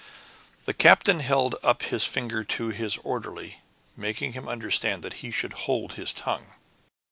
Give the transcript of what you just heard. The captain held up his finger to his orderly, making him understand that he should hold his tongue.